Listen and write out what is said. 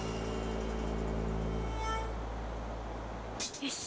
よし。